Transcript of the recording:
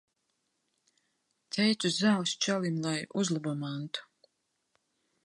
Teicu zāles čalim, lai uzlabo mantu.